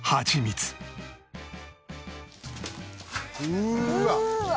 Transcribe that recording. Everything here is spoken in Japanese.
うわっ！